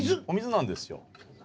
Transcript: お水なんですよ。